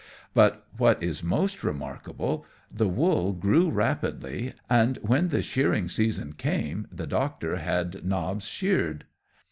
But what is most remarkable, the wool grew rapidly; and when the shearing season came, the Doctor had Nobbs sheared.